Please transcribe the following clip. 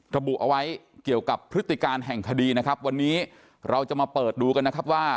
ระบุเอาไว้เกี่ยวกับพฤติการแห่งคดีนะครับวันนี้เราจะมาเปิดดูกันนะครับว่า